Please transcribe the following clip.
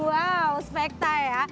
wow spektak ya